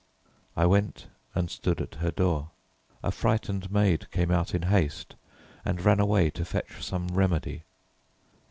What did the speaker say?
I went and stood at her door. A frightened maid came out in haste and ran away to fetch some remedy.